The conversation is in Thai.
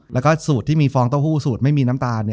แล้วก็สูตรที่มีฟองเต้าหู้สูตรไม่มีน้ำตาล